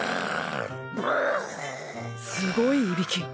すごいいびき。